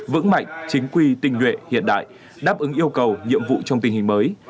vững mạnh chính quy tình nguyện hiện đại đáp ứng yêu cầu nhiệm vụ trong tình hình mới